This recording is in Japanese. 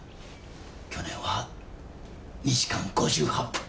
去年は２時間５８分。